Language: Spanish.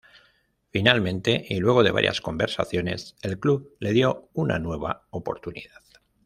Finalmente, y luego de varias conversaciones el club le dio una nueva oportunidad.